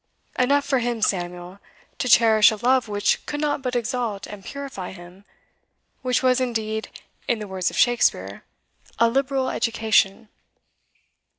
Enough for him, Samuel, to cherish a love which could not but exalt and purify him, which was indeed, 'in the words of Shakespeare, "a liberal education."